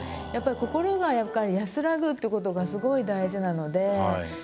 やっぱり心が安らぐってことがすごい大事なので。